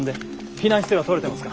避難姿勢は取れてますか？